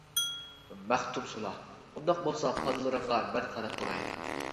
مەختۇمسۇلا:-ئۇنداق بولسا پادىلىرىڭغا مەن قاراپ تۇراي.